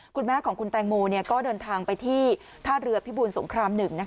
คุณแม่ของคุณแตงโมก็เดินทางไปที่ท่าเรือพิบูลสงคราม๑